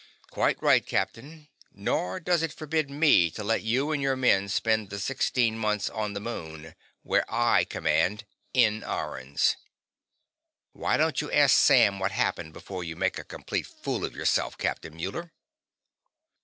"Quite right, Captain. Nor does it forbid me to let you and your men spend the sixteen months on the moon where I command in irons. Why don't you ask Sam what happened before you make a complete fool of yourself, Captain Muller?"